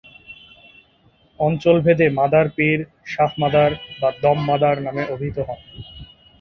অঞ্চলভেদে মাদার পীর ‘শাহ মাদার’ বা ‘দম মাদার’ নামে অভিহিত হন।